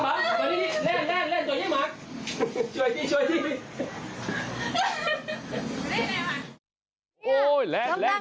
บังมานี่แรงช่วยที่มัก